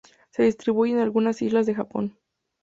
Se distribuye en algunas islas de Japón.